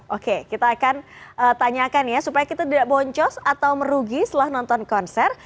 oke kita akan tanyakan ya supaya kita tidak boncos atau merugi setelah nonton konser